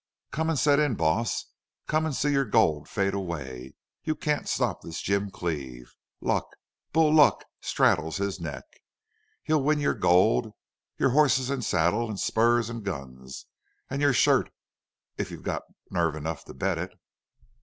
"Come an' set in, boss. Come an' see your gold fade away. You can't stop this Jim Cleve. Luck bull luck straddles his neck. He'll win your gold your hosses an' saddles an' spurs an' guns an' your shirt, if you've nerve enough to bet it."